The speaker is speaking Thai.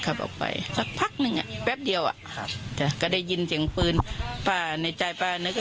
ครับออกไปแป๊บเดียวอ่ะก็ได้ยินเสียงฟื้นปะในใจ